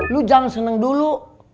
lo jangan seneng dulu